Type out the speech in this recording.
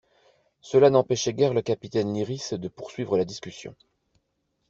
Cela n'empêchait guère le capitaine Lyrisse de poursuivre la discussion.